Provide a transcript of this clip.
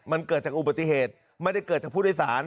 มันเกิดจากอุบัติเหตุไม่ได้เกิดจากผู้โดยสาร